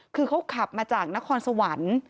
คือเขาขับมาจากนครสวรรค์